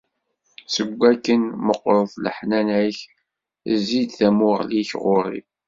Seg wakken meqqret leḥnana-k, zzi-d tamuɣli-k ɣur-i!